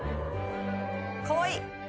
かわいい！